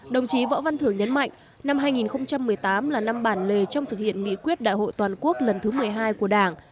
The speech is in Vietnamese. đồng chí võ văn thưởng nhấn mạnh năm hai nghìn một mươi tám là năm bản lề trong thực hiện nghị quyết đại hội toàn quốc lần thứ một mươi hai của đảng